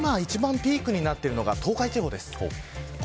今、一番ピークになっているのが東海地方です。